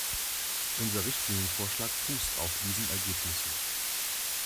Unser Richtlinienvorschlag fußt auf diesen Ergebnissen.